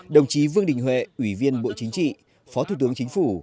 đồng chí vương đình huệ ủy viên bộ chính trị phó thủ tướng chính phủ